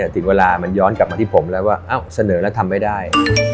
ถึงเวลามันย้อนกลับมาที่ผมแล้วว่าเสนอแล้วทำไม่ได้